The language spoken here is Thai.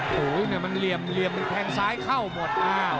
หูมันเหลี่ยมมันแทงซ้ายเข้าหมด